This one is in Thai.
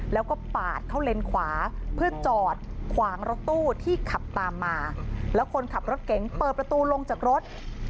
แล้วก็ปาดเข้าเลนขวาเพื่อจอดขวางรถตู้ที่ขับตามมาแล้วคนขับรถเก๋งเปิดประตูลงจากรถ